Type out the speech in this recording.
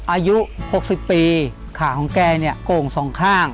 อายุ๖๐ปีขาของแกเนี่ยโก่งสองข้าง